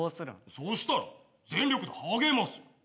そしたら全力で励ますよ。